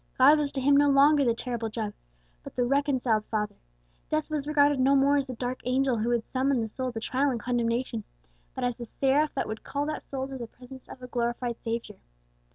God was to him no longer the terrible Judge, but the reconciled Father; death was regarded no more as the dark angel who would summon the soul to trial and condemnation, but as the seraph that would call that soul to the presence of a glorified Saviour.